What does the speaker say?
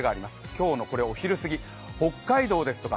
今日のお昼すぎ、北海道ですとか